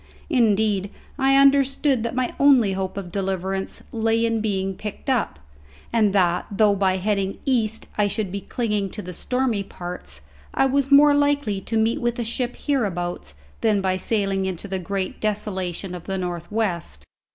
Indeed I understood that my only hope of deliverance lay in being picked up; and that, though by heading east I should be clinging to the stormy parts, I was more likely to meet with a ship hereabouts than by sailing into the great desolation of the north west.